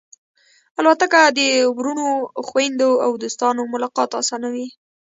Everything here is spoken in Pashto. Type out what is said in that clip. الوتکه د وروڼو، خوېندو او دوستانو ملاقات آسانوي.